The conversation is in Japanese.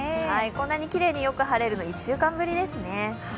こんなにきれいによく晴れるのは１週間ぶりですね。